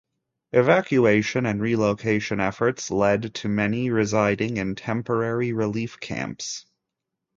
Evacuation and relocation efforts led to many residing in temporary relief camps.